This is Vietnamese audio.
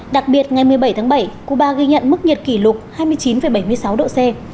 đặc biệt ngày một mươi bảy tháng bảy cuba ghi nhận mức nhiệt kỷ lục hai mươi chín bảy mươi sáu độ c